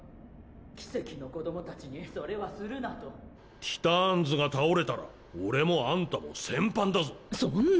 奇蹟の子どもたちにそれはするなとティターンズが倒れたら俺もあんたもそんな！